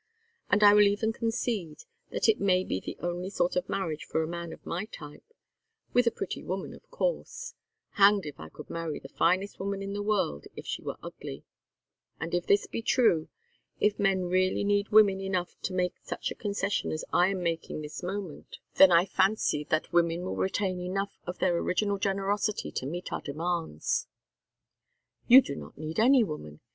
And I will even concede that it may be the only sort of marriage for a man of my type with a pretty woman, of course; hanged if I could marry the finest woman in the world if she were ugly; and if this be true if men really need women enough to make such a concession as I am making this moment, then I fancy that women will retain enough of their original generosity to meet our demands." "You do not need any woman.